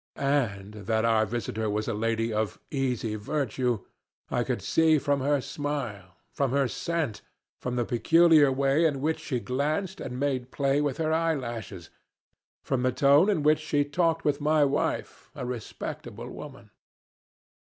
And that our visitor was a lady of easy virtue I could see from her smile, from her scent, from the peculiar way in which she glanced and made play with her eyelashes, from the tone in which she talked with my wife a respectable woman.